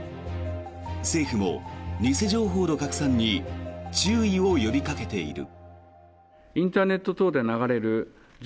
政府も偽情報の拡散に注意を呼びかけている。